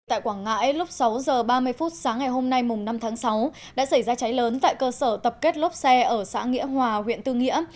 tại quảng ngãi lúc sáu h ba mươi phút sáng ngày hôm nay năm tháng sáu đã xảy ra cháy lớn tại cơ sở tập kết lốp xe ở xã nghĩa hòa huyện tư nghĩa